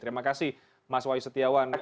terima kasih mas wai setiawan